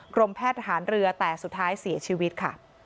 กรมแพทย์ทหารเรือแต่สุดท้ายเสียชีวิตค่ะ